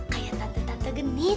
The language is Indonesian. kayak tante tante genit